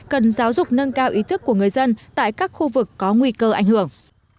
cần giáo dục nâng cao ý thức của người dân tại các khu vực có nguy cơ ảnh hưởng